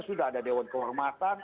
sudah ada dewan kehormatan